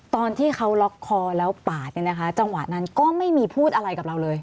ตอนที่เขาล็อกคอแล้วปาดเนี่ยนะคะจังหวะนั้นก็ไม่มีพูดอะไรกับเราเลย